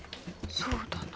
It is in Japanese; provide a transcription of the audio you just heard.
そうだな。